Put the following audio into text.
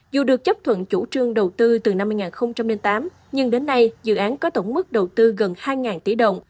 dù được chấp thuận chủ trương đầu tư từ năm hai nghìn tám nhưng đến nay dự án có tổng mức đầu tư gần hai tỷ đồng